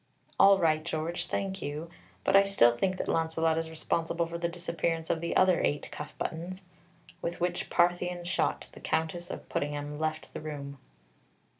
"All right, George, thank you; but I still think that Launcelot is responsible for the disappearance of the other eight cuff buttons." With which Parthian shot, the Countess of Puddingham left the room.